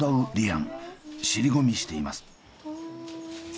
尻込みしています。